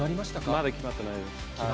まだ決まってないです。